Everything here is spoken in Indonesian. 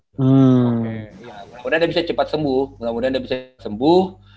mudah mudahan anda bisa cepat sembuh mudah mudahan dia bisa sembuh